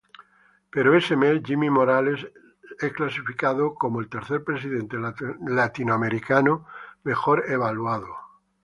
Pero ese mes, Jimmy Morales es calificado como el tercer presidente latinoamericano mejor evaluado.